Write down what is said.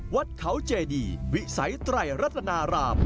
วัดเขาเจดีวิสัยไตรรัฐนาราม